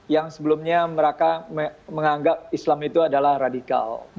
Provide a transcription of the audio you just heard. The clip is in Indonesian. yang sebelumnya mereka menganggap islam itu adalah radikal